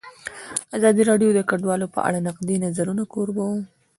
ازادي راډیو د کډوال په اړه د نقدي نظرونو کوربه وه.